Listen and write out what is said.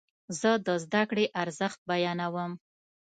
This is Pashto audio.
زه د زده کړې ارزښت بیانوم.